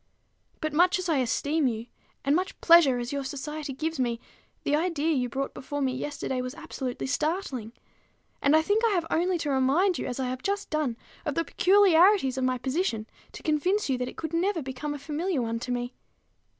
But much as I esteem you, and much pleasure as your society gives me, the idea you brought before me yesterday was absolutely startling; and I think I have only to remind you, as I have just done, of the peculiarities of my position, to convince you that it could never become a familiar one to me.